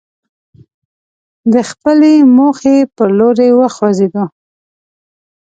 د خپلې موخې پر لوري وخوځېدو.